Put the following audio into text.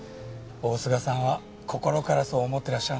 大須賀さんは心からそう思ってらっしゃるんだ。